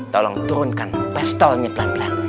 tolong turunkan pistolnya pelan pelan